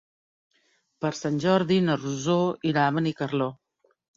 Per Sant Jordi na Rosó irà a Benicarló.